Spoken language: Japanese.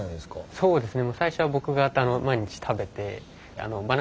そうですね。